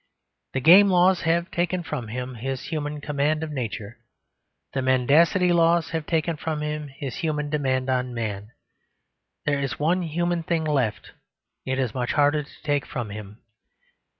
The game laws have taken from him his human command of Nature. The mendicancy laws have taken from him his human demand on Man. There is one human thing left it is much harder to take from him.